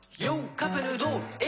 カップヌードルえ？